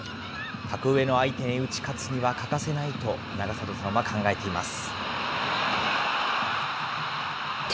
格上の相手に打ち勝つには欠かせないと、永里さんは考えています。